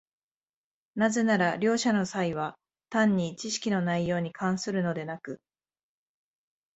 なぜなら両者の差異は単に知識の内容に関するのでなく、